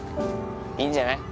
いいんじゃない？